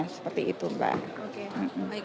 seperti itu mbak